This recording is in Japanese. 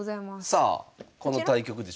さあこの対局でしょうか？